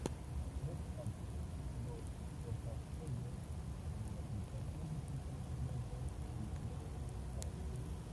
No obstante, los cortafuegos de aplicación resultan más lentos que los de estado.